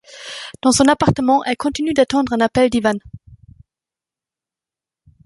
Dans son appartement, elle continue d'attendre un appel d'Iván.